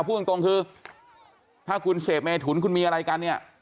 พูดตรงคือถ้าคุณเสพเมถุนคุณมีอะไรกันเนี่ย